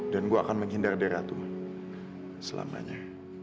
dan gue akan menghindar dari ratu selamanya